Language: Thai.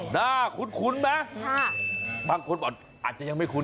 หน้าคุ้นมั้ยบางคนบอกอาจจะยังไม่คุ้น